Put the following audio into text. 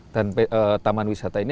dan taman wisata ini